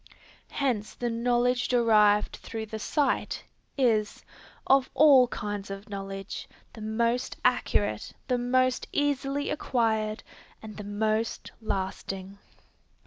Hence the knowledge derived through the sight, is, of all kinds of knowledge, the most accurate, the most easily acquired, and the most lasting.